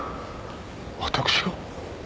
私が？